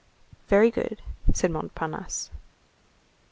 "Very good," said Montparnasse.